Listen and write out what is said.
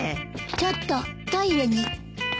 ちょっとトイレに。